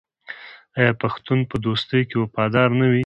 آیا پښتون په دوستۍ کې وفادار نه وي؟